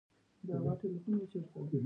غرونه اوبه ساتي.